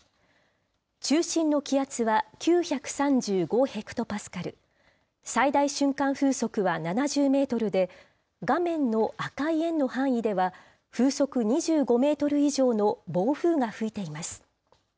中心の気圧は９３５ヘクトパスカル、最大瞬間風速は７０メートルで、画面の赤い円の範囲では、風速２５メートル以上の暴風が吹いています。